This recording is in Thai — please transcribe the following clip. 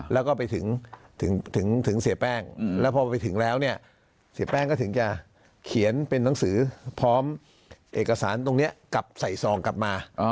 แล้วก็ไปถึงเสียแป้งแล้วพอไปถึงแล้วเนี่ยเสียแป้งก็ถึงจะเขียนเป็นหนังสือพร้อมเอกสารตรงนี้กลับใส่ซองกลับมา